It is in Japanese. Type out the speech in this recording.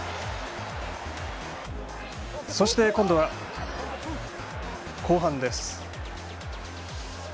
そして今度は後半です。